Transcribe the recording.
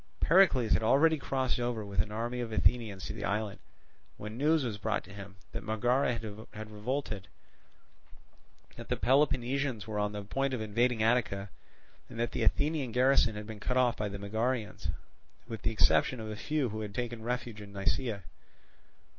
Pericles had already crossed over with an army of Athenians to the island, when news was brought to him that Megara had revolted, that the Peloponnesians were on the point of invading Attica, and that the Athenian garrison had been cut off by the Megarians, with the exception of a few who had taken refuge in Nisaea.